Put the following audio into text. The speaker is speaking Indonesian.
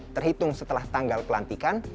terhitung setelah tanggal pelantikan